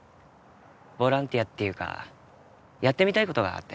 ボランティアっていうかやってみたいことがあって